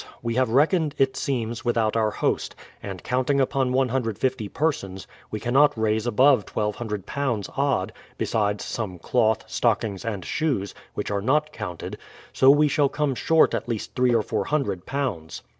W^e have reckoned, it seems, without our host; and counting upon 150 persons, we cannot raise above £1200 odd, besides some cloth, stockings, and shoes, which are not counted; so we shall come short at least three or four hundred pounds.